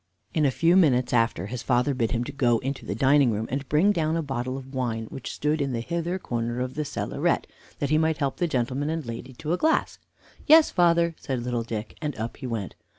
In a few minutes after his father bid him go into the dining room, and bring down a bottle of wine, which stood in the hither corner of the cellaret, that he might help the gentleman, and lady to a glass. "Yes, father," said little Dick, and up he went.